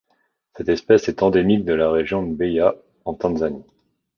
Cette espèce est endémique de la région de Mbeya en Tanzanie.